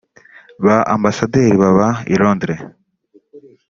ba ambasaderi baba i Londres